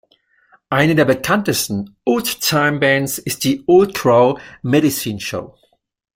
Eine der bekanntesten Old-Time-Bands ist die Old Crow Medicine Show.